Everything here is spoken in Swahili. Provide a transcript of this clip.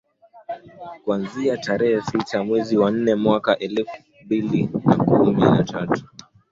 kuanzia tarehe tisa mwezi wa nne mwaka elfu mbili na kumi na tatu